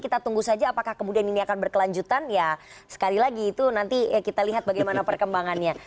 kita tunggu saja apakah kemudian ini akan berkelanjutan ya sekali lagi itu nanti kita lihat bagaimana perkembangannya